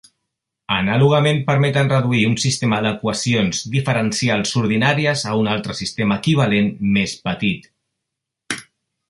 Anàlogament permeten reduir un sistema d'equacions diferencials ordinàries a un altre sistema equivalent més petit.